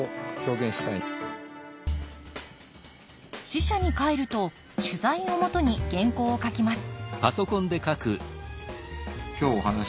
支社に帰ると取材を基に原稿を書きます